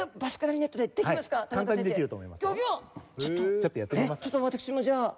ちょっと私もじゃあ。